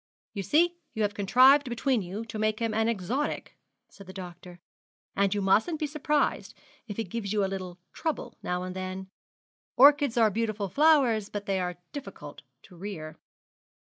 'You see, you have contrived between you to make him an exotic,' said the doctor; 'and you mustn't be surprised if he gives you a little trouble now and then. Orchids are beautiful flowers, but they are difficult to rear.'